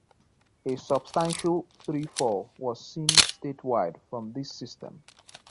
A substantial tree fall was seen statewide from this system.